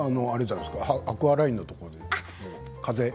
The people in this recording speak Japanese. アクアラインのところで風。